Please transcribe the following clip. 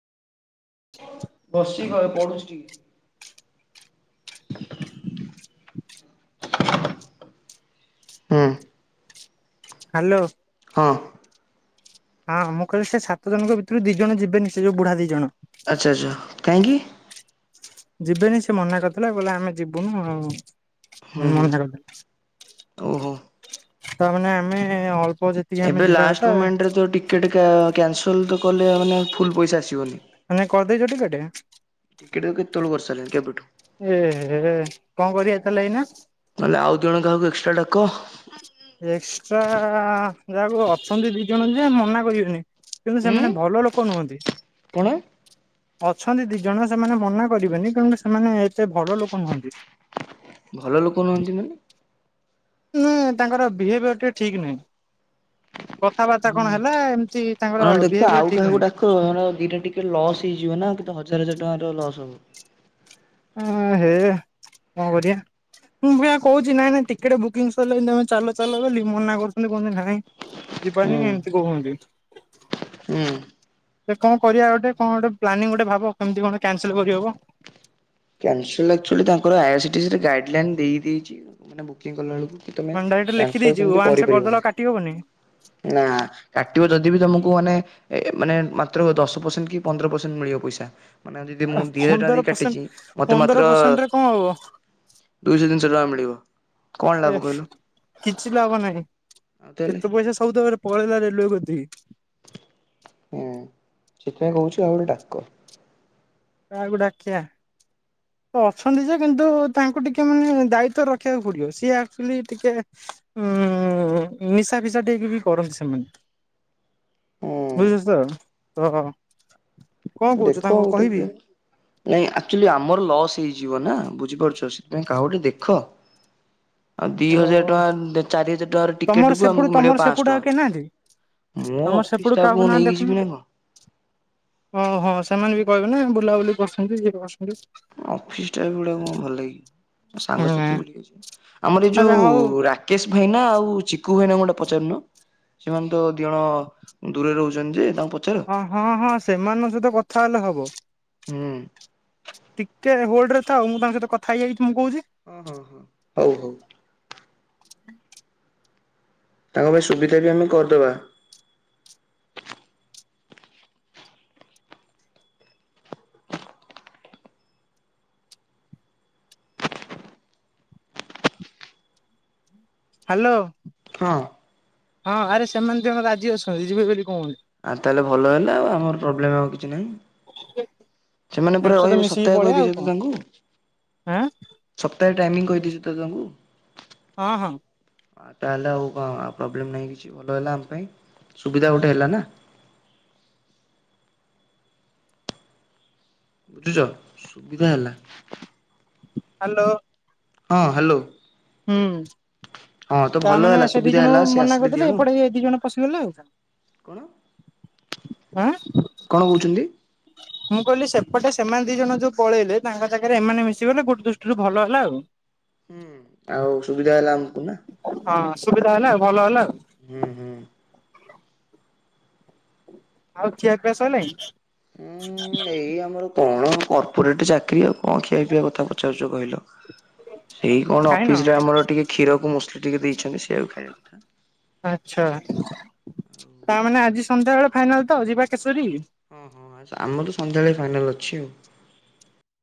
ବସଛି ଘରେ ପଢ଼ୁଛି ଟିକେ, ହୁଁ, ହ୍ୟାଲୋ, ହଁ, ହଁ ମୁଁ କହିଲି ସେ ସାତ ଜଣଙ୍କ ଭିତରୁ ଦି ଜଣ ଯିବେନି ସେ ଯୋଉ ବୁଢା ଦି ଜଣ, ଆଚ୍ଛା-ଆଚ୍ଛା କାହିଁକି? ଯିବେନି ସେ ମନା କରିଥିଲା ବୋଇଲେ ଆମେ ଯିବୁନୁ ଆଉ, ହୁଁ ହୁଁ ମନା ଓହୋ। କରିଥିଲେ ତାମାନେ ଆମେ ଅଳ୍ପ୍, ଏବେ ଲାଷ୍ଟ ମୁମେଣ୍ଟରେ ତ ଟିକେ-ଟିକେ କ୍ୟାନସଲ ତ କଲେ ମାନେ ଫୁଲ ପଇସା ଆସିବନି, ମାନେ କରିଦେଇଛ ଟିକେଟେ? ଟିକଟ ତ କେତେବେଳୁ କରିସରିଲିଣି କେବେଠୁ, ଏହେ କଁ କରିବା ତାହେଲେ ଏଇନା? ନହେଲେ ଆଉ ଦୁଇ ଜଣ କାହାକୁ ଏକ୍ସଟ୍ରା ଡାକ, ଏକ୍ସଟ୍ରା ଯାହାକୁ ଅଛନ୍ତି ଦି ଜଣ ଯେ ମନା କରିବେନି, କିନ୍ତୁ ଉଁ ସେମାନେ ଭଲ ଲୋକ ନୁହନ୍ତି, କଣ? ଅଛନ୍ତି ଦି ଜଣ ସେମାନେ ମନା କରିବେନି କିଣୁ ସେମାନେ ଏତେ ଭଲ ଲୋକ ନୁହନ୍ତି। ଭଲ ଲୋକ ନୁହନ୍ତି ମାନେ? ହୁଁ, ତାଙ୍କର ବିହେଭିୟର ଟିକେ ଠିକ୍ ନାହିଁ। କଥାବାର୍ତ୍ତା ହୁଁ। କଣ ହେଲା। ଏମିତି ତାଙ୍କର ବିହେଭିୟର ଠିକ ନାହିଁ। କଣ ଦିଟା ଟିକେ ଲସ୍ ହେଇଯିବ ନା କିନ୍ତୁ ହଜାର ହଜାର ଟଙ୍କାର ଲସ୍ ହବ। ଓଁ ହେ। କଣ କରୀଆ? ମୁଁ ବି ଏଇୟା କହୁଛି ନାଇଁ ନାଇଁ ଟିକେଟେ ବୁକିଙ୍ଗ ସିରିଲାଣି ତମେ ଚାଲ ଚାଲ ବୋଲି। ମନା କରୁଛନ୍ତି କୁହୁ ଛନ୍ତି ନାଇଁ ଯିବାନି ଏମିତି ହୁଁ କହୁଅନ୍ତି। ହୁଁ। ସେ କଣ କରିବା ଗୋଟେ? କଣ ଗୋଟେ ଫ୍ଳାନିଙ୍ଗ ଗୋଟେ ଭାବ କେମିତି କଣ କ୍ୟାନସଲ କରିହବ? କ୍ୟାନସଲ ଆକଚୁଆଲି ତାଙ୍କର ଆଇଆସିଡ଼ିଏସ ରେ ଗାଇଡ ଲାଇନ ଦେଇ ଦେଇଛି। କାହିନା ବୁକିଂ କଲା ବେଳକୁ କି ତମେ ମାନେ ଡାଇରେକ୍ଟ କ୍ୟାନସଲ ଲେଖିଦେଇଛି ସେମତି ୱାନ୍ସ କରିଦେଲେ କରିପାରିବନି। ଆଉ କାଟି ହବନି ନା। କାଟିବ ଯଦି ବି ତମକୁ ମାନେ ମାନେ ମାତ୍ର ଦଶ ପରସେଣ୍ଟ କି ପନ୍ଦର ପରସେଣ୍ଟ ମିଳିବ ପଇସା। ମାନେ ଯଦିମୂଁ ଦି ହଜାର ଟଙ୍କା ପନ୍ଦର ଦେଇ ପରସେଣ୍ଟ କାଟିଛିି ମତେ ପନ୍ଦର ମାତ୍ର ପରସେଣ୍ଟରେ କଣ ହବ ଦୁଇଶହ ତିନିଶହ ଟଙ୍କା ମିଳିବ। କଣ ଏ ଲାଭ କହିଲ କିଛି ବି ଲାଭ ନାହିଁ ଆଉ ତାହେଲେ ଏତେ ପଇସା ସବୁତକରେ ପଳେଇଲା ରେଲୱେ କତିକି। ହୁଁ। ସେଥିପାଇଁ କହୁଛି ଆଉ ଗୋଟେ ଡାକ। କାହାକୁ ଡାକିଆ? ଅଛନ୍ତି ଯେ କିନ୍ତୁ ତାଙ୍କୁ ଟିକେ ମାନେ ଦାୟିତ୍ଵ ରଖିବାକୁ ପଡିବ। ସିଏ ଆଚୁଆଲି ଟିକେ ଉଁ, ନିଶା ଫିସା ଦେଇକି ବି କରନ୍ତି ସେମାନେ। ହୁଁ ବୁଝିହଛିତ? କଣ ଦେଖ କହୁଛୁ ତାଙ୍କୁ ଆଉ କହିବି? ଟିକେ ନାଇଁ ଆଚୁଆଲି ଆମର ଲସ୍ ହେଇଯିବ ନା ବୁଝିପାରୁଛ। ସେଥିପାଇଁ କାହାକୁ ଟିକେ ଦେଖ? ଆଉ ଦି ତ, ହଜାର ଟଙ୍କା ଚାରି ହଜାର ଟଙ୍କାର ଟିକେଟ ତମର କୁ ଆମକୁ ସେପଟୁ ମିଳିବ ତମର ପାଞ୍ଚଶହ ସେପୁଟ ଆ ଟଙ୍କା। କେହିନାହାଁନ୍ତି? ମୋ ତମର ଅଫିସ ସେପଟୁ ଷ୍ଟାଫ କୁ ମୁଁ କାହାକୁ ନହନେ ନେଇକି ଯିବି ଦେଖୁନୁ। ନା କଣ ଓହ ସେମାନେ ବି କହିବେ ନା ଏମାନେ ବୁଲାବୁଲି କରୁସନ୍ତି ଇଏ କରୁସନ୍ତି। ଅଫିସ ଟା ବି ଗୁଡା କଣ ଭଲକି ମୋ ହୁଁ ସାଙ୍ଗସାଥି ବୋଲି କିଛି, ଆମର ଏ ଆଚ୍ଛା ଯୋଉ ହଉ ରା ରାକେଶ ଭାଇନା ଆଉ ଚିକୁୁ ଭାଇନା ଙ୍କୁ ଏଟା ପଚାରୁନ। ସେମାନେ ତ ଦି ଜଣ ଦୂରରେ ରହୁଛନ୍ତି ଯେ ତାଙ୍କୁ ପଚାର। ହଁ ହଁ। ସେମାନଙ୍କ ସହିତ କଥା ହେଲେ ହବ। ଟିକେ ହୋଲଡ ରେ ଥାଅ। ମୁଁ ତାଙ୍କସହିତ କଥା ହେଇଯାଇକି ତମକୁ କହୁଛି। ହଁ ହଁ ହଁ। ହଉ ହଉ। ତାଙ୍କ ପାଇଁ ସୁବିଧା ବି ଆମେ କରିଦେବା। ହାଲୋ। ହଁ। ହଁ ଆରେ ସେମାନେ ଦି ଜଣ ରାଜି ଅଛନ୍ତି ଯିବେ ବୋଲି କହୁଚନ୍ତି? ଆଉ ତାହେଲେ ଭଲ ହେଲା ଆଉ ଆମର ପ୍ରୋବ୍ଲେମ ଆଉ କିଛି ନାହିଁ। ସେମାନେ ତାଙ୍କ ପୁରା ସହିତ ରହିବେ ମିଶିକି ସପ୍ତାହେ ପଳେଇବା ଆଉ କହିଦେଇଚ କଣ ତ ତାଙ୍କୁ। ଆଁ ସପ୍ତାହେ ଟାଇମି କହିଦେଇଛୁ ତ ତାଙ୍କୁ। ହଁ ହଁ। ହଁ ତାହେଲେ ଆଉ କଣଉ ପ୍ରୋବ୍ଲେମ୍ ନାହିଁ କିଛି ଭଲ ହେଲା ଆମ ପାଇଁ ସୁବିଧା ଗୋଟେ ହେଲା ନା। ବୁଝୁଛ ସୁବିଧା ହେଲା। ହ୍ୟାଲୋ। ହଁ ହ୍ୟାଲୋ। ହୁଁ, ହଁ ତ ତା ଭଲ ମାନେ ହେଲା ସେ ଦି ସୁବିଧା ହେଲା ଜଣଙ୍କୁ ସିଏ ମନା ଆସିଲେ ଦି କରିଦେଲେ ଜଣ ଏପଟେ ଏ ଦି ଜଣ ପସିଗଲେ ଆଉ କଣ। କଣ ଆଁ, କଣ କହୁଛନ୍ତି? [unintelligible] ମୁଁ କହିଲି ସେପଟେ ସେମାନେ ଦି ଜଣ ଯୋଉ ପଳେଇଲେ ତାଙ୍କ ଜାଗାରେ ଏମାନେ ମିଶିଗଲେ ଗୋଟେ ଦୃଷ୍ଟିରୁ ଭଲ ହେଲା ଆଉ। ହୁଁ, ଆଉ ସୁବିଧା ହେଲା ଆମକୁ ନା। ହଁ ସୁବିଧା ହେଲା ଭଲ ହେଲା। ହୁଁ, ହୁଁ। ଆଉ ଖିଆପିଆ ସଇଲାଇଁ? ହୁଁ ଏଇ ଆମର କଣ କର୍ପୋରେଟ୍ ଚାକିରି ଆଉ କଣ ଖିଆ ପିଇବା କଥା ପୁଚାରୁଚ କହିଲ? ସେଇ କଣ ଖାଇନ ଅଫିସ୍ ରେ ଆମର ଟିକେ କ୍ଷୀରକୁ ମୁସଲି ଟିକେ ଦେଇଛନ୍ତି ସେଇଆ କୁ ଖାଇବା କଥା। ଆଚ୍ଛା ତାମାନେ ଆଜି ସନ୍ଧ୍ୟାବେଳେ ଫାଇନାଲ୍ ତ ଯିବା କେଶରୀ? ଅଁ, ହଁ ଆସା ଆମର ସନ୍ଧ୍ୟାବେଳେ ଫାଇନାଲ୍ ଅଛି ଆଉ।